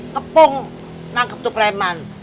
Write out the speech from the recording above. kepung nangkep tuk rehman